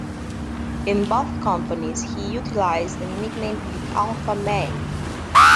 In both companies, he utilized the nickname "The Alpha Male".